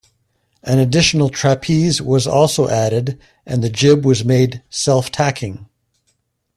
An additional trapeze was also added, and the jib was made self tacking.